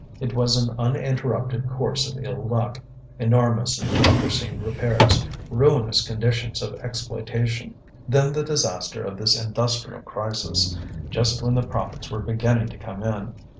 It was an uninterrupted course of ill luck, enormous and unforeseen repairs, ruinous conditions of exploitation, then the disaster of this industrial crisis, just when the profits were beginning to come in.